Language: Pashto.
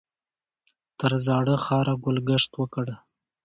تر زاړه ښاره ګل ګشت وکړ.